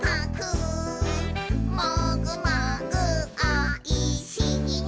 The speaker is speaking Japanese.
「もぐもぐおいしいな」